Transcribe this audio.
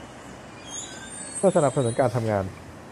เพื่อสนับสนุนการทำงาน